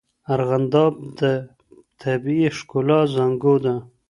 ارغنداب د طبیعي ښکلا زانګو ده.